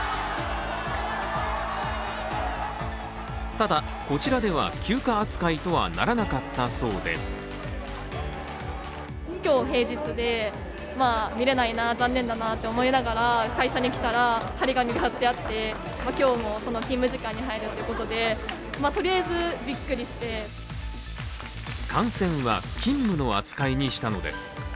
ただ、こちらでは休暇扱いとはならなかったそうで観戦は勤務の扱いにしたのです。